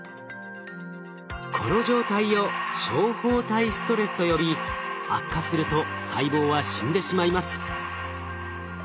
この状態を「小胞体ストレス」と呼び悪化すると細胞は死んでしまいます。